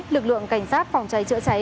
lực lượng cảnh sát phòng cháy chữa cháy